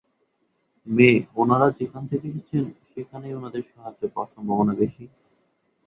মে, ওনারা যেখান থেকে এসেছেন, সেখানেই ওনাদের সাহায্য পাওয়ার সম্ভাবনা বেশি।